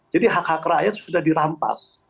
jadi hak hak rakyat sudah dirampas